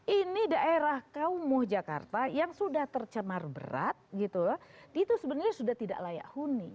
ini daerah kaumu jakarta yang sudah tercemar berat gitu loh itu sebenarnya sudah tidak layak huni